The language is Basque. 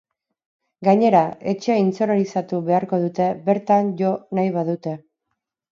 Gainera, etxea intsonorizatu beharko dute bertan jo nahi badute.